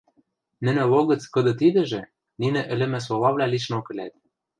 Нӹнӹ логӹц кыды-тидӹжӹ нинӹ ӹлӹмӹ солавлӓ лишнок ӹлӓт.